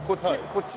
こっち？